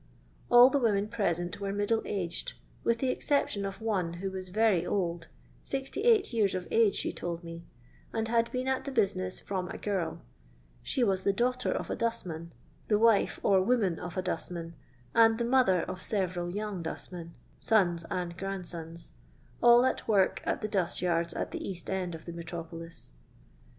AU the women present were middle aged, with the excep titn of one who was very old — 68 years of age she told me — and had been at the business from a girL She was the daughter of a dustman, the wife, or woman of a dustman, and the mother of several young dustmen — sons and grandsons ^«AU at work at the dust yards at the east end of the • metropolis.